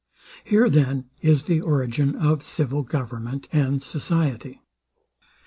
Here then is the origin of civil government and society.